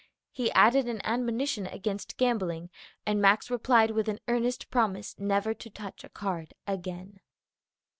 He added an admonition against gambling, and Max replied with an earnest promise never to touch a card again.